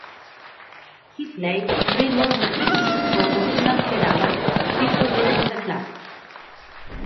He played three more matches for Gokulam Kerala before leaving the club.